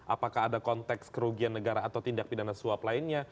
apakah ada konteks kerugian negara atau tindak pidana suap lainnya